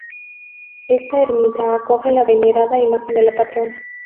Esta ermita acoge la venerada imagen de la patrona.